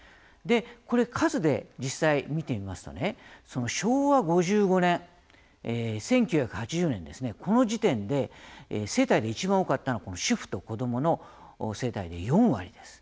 数で実際、見てみますとね昭和５５年、１９８０年ですねこの時点で世帯でいちばん多かったのは主婦と子どもの世帯で４割です。